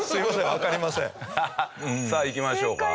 さあいきましょうか。